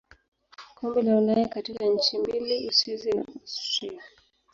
Kombe la Ulaya katika nchi mbili Uswisi na Austria.